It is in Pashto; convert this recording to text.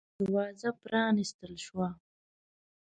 دروازه پرانستل شوه.